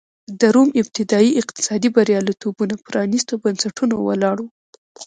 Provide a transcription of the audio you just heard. د روم ابتدايي اقتصادي بریالیتوبونه پرانېستو بنسټونو ولاړ و.